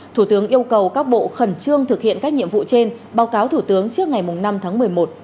thủ tướng yêu cầu các bộ khẩn trương thực hiện các nhiệm vụ trên báo cáo thủ tướng trước ngày năm tháng một mươi một